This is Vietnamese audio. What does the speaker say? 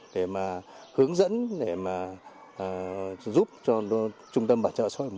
để mà hướng dẫn để mà giúp cho trung tâm bảo trợ số một